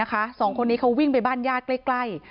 สองคนนี้เขาวิ่งไปบ้านญาติใกล้